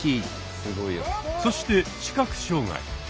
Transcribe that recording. そして視覚障害。